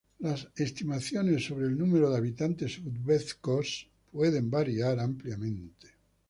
Las estimaciones sobre el número de hablantes de uzbeko pueden variar ampliamente.